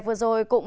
vẫn tốt luôn